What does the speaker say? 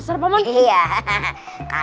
kok boleh dikabur